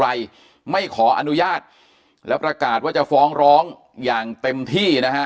ใครไม่ขออนุญาตแล้วประกาศว่าจะฟ้องร้องอย่างเต็มที่นะฮะ